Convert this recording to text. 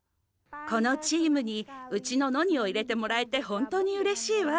このチームにうちのノニを入れてもらえてほんとにうれしいわ。